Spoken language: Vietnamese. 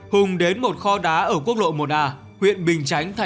hùng đến một kho đá ở quốc lộ một a huyện bình chánh tp hcm